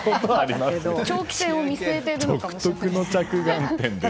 長期戦を見据えているのかもしれないですね。